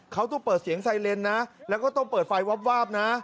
เขาต้องเปิดเสียงไซเลนนะแล้วก็ต้องเปิดไฟวาบนะ